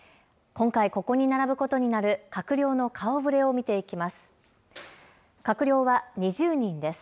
今回、ここに並ぶことになる閣僚の顔ぶれを見ていきます。